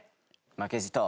負けじと。